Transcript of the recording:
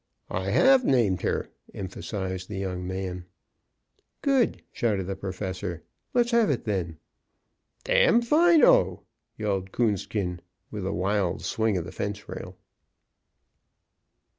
"I HAVE named her," emphasized the young man. "Good!" shouted the Professor. "Let's have it then." "Damfino," yelled Coonskin, with a wild swing of the fence rail.